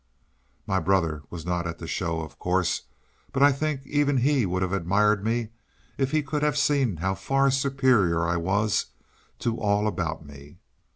My brother was not at the Show, of course; but I think even he would have admired me if he could have seen how far superior I was to all about me.